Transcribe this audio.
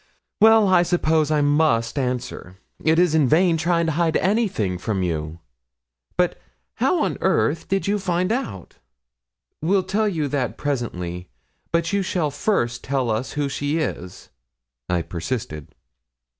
Well, I suppose I must answer. It is vain trying to hide anything from you; but how on earth did you find it out?' 'We'll tell you that presently, but you shall first tell us who she is,' I persisted.